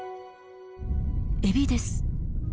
エビです。